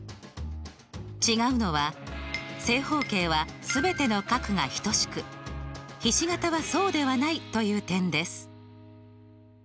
違うのは正方形は全ての角が等しくひし形はそうではないという点です。